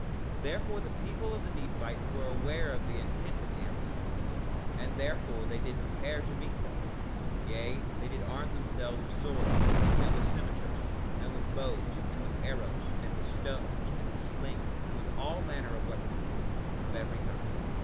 2:12 Therefore the people of the Nephites were aware of the intent of the Amlicites, and therefore they did prepare to meet them; yea, they did arm themselves with swords, and with cimeters, and with bows, and with arrows, and with stones, and with slings, and with all manner of weapons of war, of every kind.